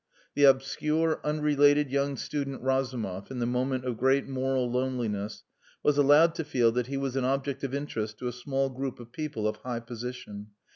The obscure, unrelated young student Razumov, in the moment of great moral loneliness, was allowed to feel that he was an object of interest to a small group of people of high position.